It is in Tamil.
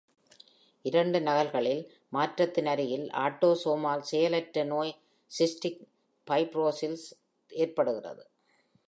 இரண்டு நகல்களில் மாற்றத்தின் அருகில் ஆட்டோசோமால் செயலற்ற நோய் சிஸ்டிக் ஃபைப்ரோஸிஸ் ஏற்படுகிறது.